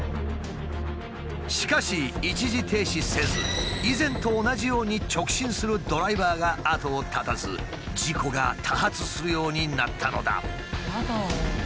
しかし一時停止せず以前と同じように直進するドライバーが後を絶たず事故が多発するようになったのだ。